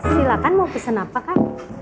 silahkan mau pesen apa kang